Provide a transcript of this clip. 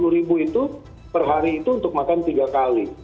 dua ratus lima puluh ribu itu per hari itu untuk makan tiga kali